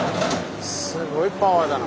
すごいパワーだな。